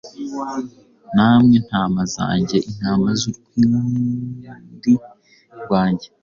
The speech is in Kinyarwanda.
Namwe ntama zanjye, intama z’urwuri rwanjye,